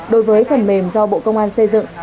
đối với phần mềm do bộ công an xây dựng